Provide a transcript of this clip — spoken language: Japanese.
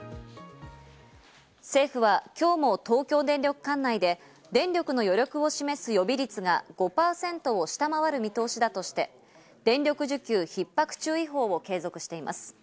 政府は今日も東京電力管内で電力の余力を示す予備率が５％を下回る見通しだとして、電力需給ひっ迫注意報を継続しています。